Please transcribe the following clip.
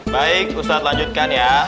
baik ustadz lanjutkan ya